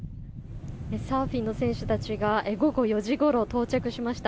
サーフィンの選手たちが午後４時ごろ到着しました。